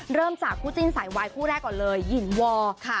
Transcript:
เริ่มจากคู่จิ้นสายวายคู่แรกก่อนเลยหญิงวอร์ค่ะ